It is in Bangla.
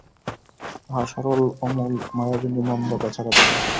আহা, সরল অমল, মায়াবিনী মন্দা, বেচারা দাদা।